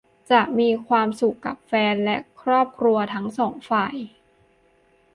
จะมีความสุขกับแฟนและครอบครัวทั้งสองฝ่าย